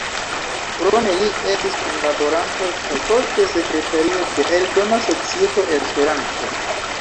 Krome li estis kunlaboranto kaj poste sekretario de Eldona Societo Esperanto.